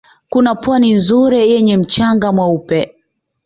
Kuna Pwani nzuri yenye mchanga mweupe